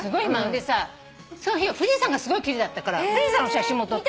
でさその日は富士山がすごい奇麗だったから富士山の写真も撮ったの。